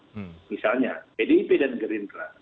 sebenarnya pdip dan gerindra